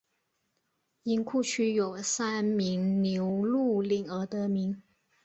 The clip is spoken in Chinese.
因库区有山名牛路岭而得名。